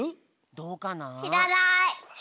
どうかな？